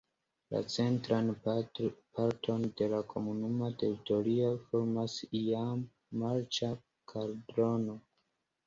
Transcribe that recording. La centran parton de la komunuma teritorio formas iam marĉa kaldrono.